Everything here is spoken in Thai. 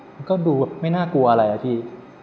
มันก็ดูไม่น่ากลัวอะไรอะพี่